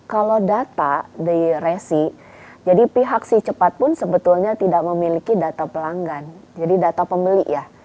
kalau data di resi jadi pihak si cepat pun sebetulnya tidak memiliki data pelanggan jadi data pembeli ya